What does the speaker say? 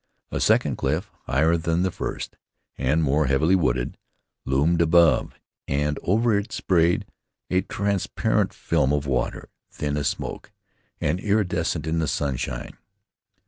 A second cliff, higher than the first, and more heavily wooded, loomed above, and over it sprayed a transparent film of water, thin as smoke, and iridescent in the sunshine.